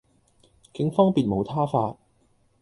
警方別無他法